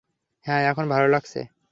হ্যাঁ, এখন ভালো লাগছে।